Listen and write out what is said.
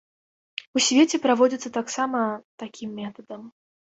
У свеце праводзіцца таксама такім метадам.